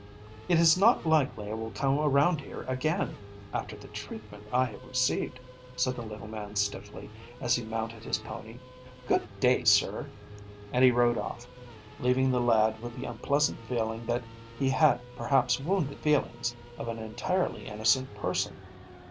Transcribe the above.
"It is not likely I will come around here again, after the treatment I have received," said the little man stiffly, as he mounted his pony. "Good day, sir," and he rode off, leaving the lad with the unpleasant feeling that he had perhaps wounded the feelings of an entirely innocent person.